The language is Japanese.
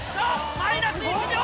マイナス１秒！